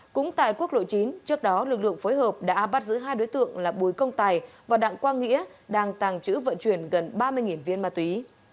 cũng tại quốc lộ chín trước đó lực lượng phối hợp đã bắt giữ hai đối tượng là bùi công tài và đặng quang nghĩa đang tàng trữ vận chuyển gần ba mươi viên ma túy